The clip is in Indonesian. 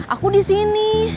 aku di sini